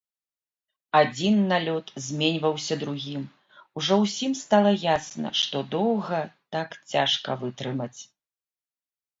Адзін налёт зменьваўся другім, ужо ўсім стала ясна, што доўга так цяжка вытрымаць.